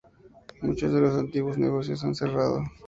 Muchos de los antiguos negocios han cerrado.